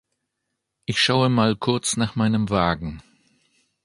Ich schaue mal kurz nach meinem Wagen.